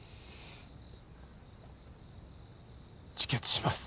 自決します。